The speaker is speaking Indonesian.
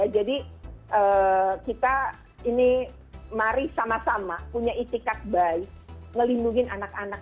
jadi kita ini mari sama sama punya istikahat baik melindungi anak anak